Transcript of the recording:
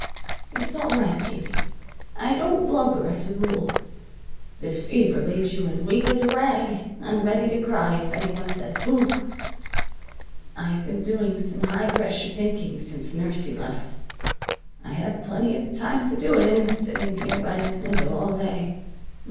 "It's all right, Gabie. I don't blubber as a rule. This fever leaves you as weak as a rag, and ready to cry if any one says 'Boo!' I've been doing some high pressure thinking since nursie left. Had plenty of time to do it in, sitting here by this window all day.